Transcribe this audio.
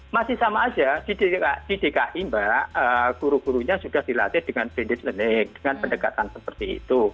masih sama saja di dki mbak guru gurunya sudah dilatih dengan pendekatannya seperti itu